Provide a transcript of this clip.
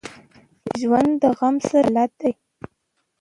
ژوندي له غم سره بلد دي